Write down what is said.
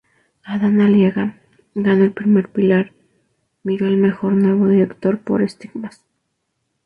Adán Aliaga, ganó el Premio Pilar Miró al mejor nuevo director por "Estigmas".